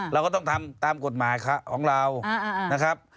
เราก็ต้องทำตามกฎหมายของเรานะครับ